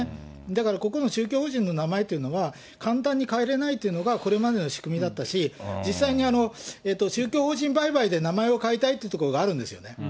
だから、個々の宗教法人の名前っていうのは、簡単に変えれないというのが、これまでの仕組みだったし、実際に宗教法人売買で名前を変えたいというところがあるんですよね。